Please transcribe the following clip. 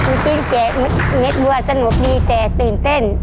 ลูกจีนแกะเม็ดบวนสนุกดีแต่ตื่นเต้น